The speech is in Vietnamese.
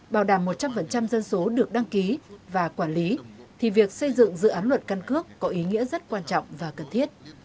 bảo đảm một trăm linh dân số được đăng ký và quản lý thì việc xây dựng dự án luật căn cước có ý nghĩa rất quan trọng và cần thiết